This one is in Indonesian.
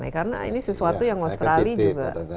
karena ini sesuatu yang australia juga